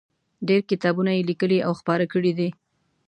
ډېر کتابونه یې لیکلي او خپاره کړي دي.